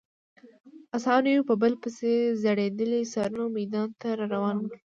اسان یو په بل پسې ځړېدلي سرونه میدان ته راروان ول.